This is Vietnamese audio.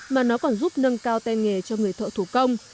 mà nó còn giúp nâng cao tay nghề cho người thợ thủ công